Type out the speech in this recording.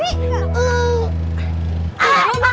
aduh aduh aduh